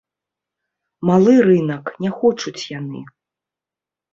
Малы рынак, не хочуць яны.